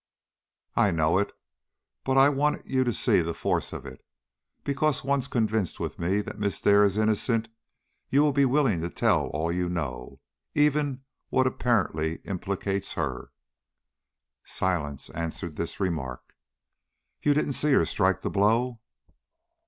"I know it; but I want you to see the force of it; because, once convinced with me that Miss Dare is innocent, you will be willing to tell all you know, even what apparently implicates her." Silence answered this remark. "You didn't see her strike the blow?"